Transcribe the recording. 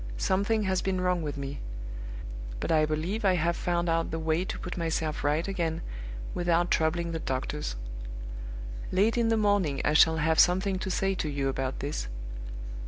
"Something has been wrong with me. But I believe I have found out the way to put myself right again without troubling the doctors. Late in the morning I shall have something to say to you about this.